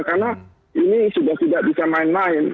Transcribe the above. karena ini sudah tidak bisa main main